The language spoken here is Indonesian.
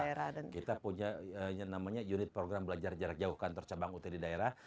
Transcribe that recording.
daerah dan kita punya unit program belajar jarak jauh kantor cabang ut di daerah